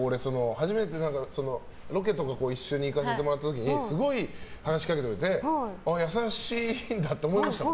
初めてロケとか一緒に行かせてもらった時にすごい話しかけてくれて優しいんだって思いましたもん。